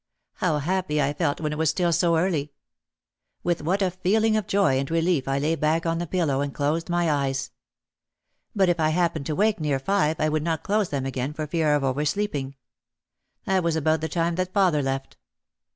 How happy I felt when it was still so early. With what a feeling of joy and relief I lay back on the pillow and closed my eyes. But if I happened to wake near five I would not close them again for fear of oversleeping. That was about the time that father left.